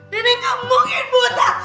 nenek gak mungkin buta